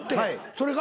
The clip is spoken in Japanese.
それが？